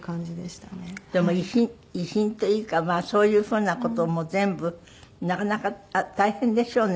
でも遺品っていうかそういうふうな事も全部なかなか大変でしょうね。